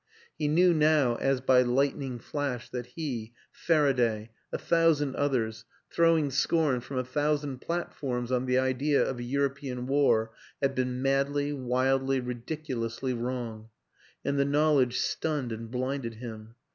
He knew now, as by lightning flash, that he, Faraday, a thousand others, throwing scorn from a thousand platforms on the idea of a European War, had been madly, wildly, ridic ulously wrong and the knowledge stunned and blinded him.